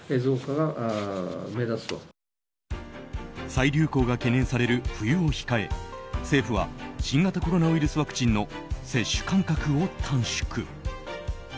再流行が懸念される冬を控え政府は新型コロナウイルスワクチンの接種間隔を短縮。